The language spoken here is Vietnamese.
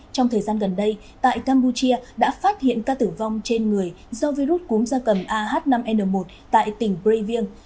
trong thời gian gần đây tại campuchia đã phát hiện ca tử vong trên người do virus cúm gia cầm ah năm n một tại tỉnh brevieng